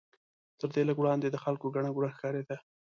تر دې لږ وړاندې د خلکو ګڼه ګوڼه ښکارېده.